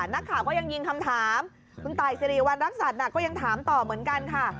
นักข่าวก็ยังยิงคำถามคุณตายสิริวัณรักษัตริย์ก็ยังถามต่อเหมือนกันค่ะ